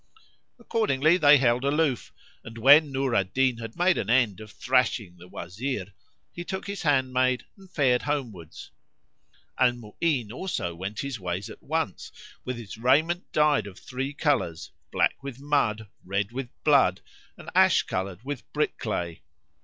Accordingly they held aloof and, when Nur al Din had made an end of thrashing the Wazir, he took his handmaid and fared homewards. Al Mu'ín also went his ways at once, with his raiment dyed of three colours, black with mud, red with blood and ash coloured with brick clay.